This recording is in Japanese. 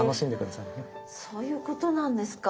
そういうことなんですか。